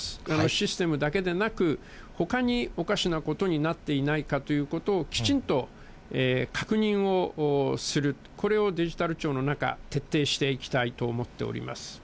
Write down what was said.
システムだけでなく、ほかにおかしなことになっていないかということを、きちんと確認をする、これをデジタル庁の中、徹底していきたいと思っております。